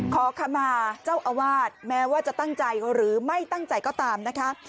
ขอขมาเจ้าอาวาสแม้ว่าจะตั้งใจหรือไม่ตั้งใจก็ตามนะคะ